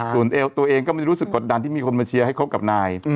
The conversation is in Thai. ส่วนตัวเองก็ไม่ได้รู้สึกกดดันที่มีคนมาเชียร์ให้คบกับนาย